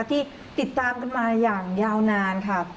ที่ติดตามกันมาอย่างยาวนานค่ะ